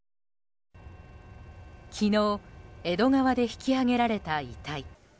昨日、江戸川で引き揚げられた遺体。